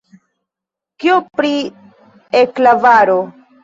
Kio pri E-klavaro?